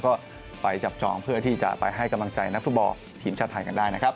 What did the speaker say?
ก็ไปจับจองเพื่อที่จะไปให้กำลังใจนักฟุตบอลทีมชาติไทยกันได้นะครับ